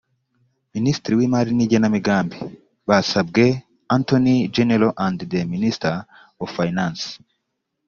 minisitiri w imari n igenamigambi basabwe attorney general and the minister of finance